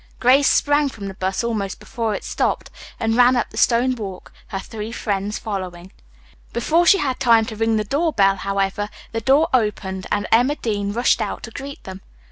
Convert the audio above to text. Grace sprang from the bus almost before it stopped, and ran up the stone walk, her three friends following. Before she had time to ring the door bell, however, the door opened and Emma Dean rushed out to greet them.